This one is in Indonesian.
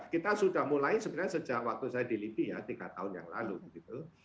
kita sudah mulai sebenarnya sejak waktu saya di lipi ya tiga tahun yang lalu gitu